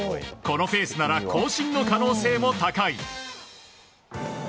このペースなら更新の可能性も高い。